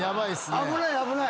危ない危ない。